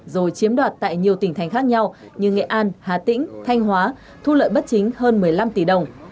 rồi chiếm đoạt tại nhiều tỉnh thành khác nhau như nghệ an hà tĩnh thanh hóa thu lợi bất chính hơn một mươi năm tỷ đồng